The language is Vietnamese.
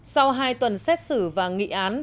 sau hai tuần xét xử và nghị án